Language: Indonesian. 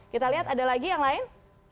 kita lihat ada lagi yang lain